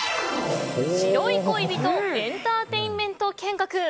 白い恋人エンターテインメント見学。